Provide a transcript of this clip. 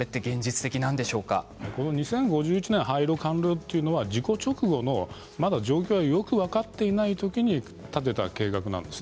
２０５１年廃炉完了というのは事故直後の状況が分かっていない時に立てた計画なんです。